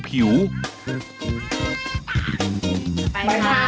ไปค่ะ